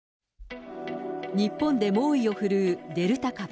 日本で猛威を振るうデルタ株。